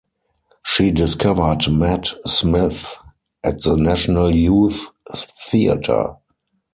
She discovered Matt Smith at the National Youth Theatre.